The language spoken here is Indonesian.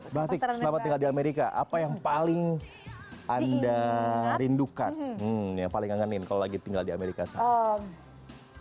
mbak atik selamat tinggal di amerika apa yang paling anda rindukan yang paling ngangenin kalau lagi tinggal di amerika sana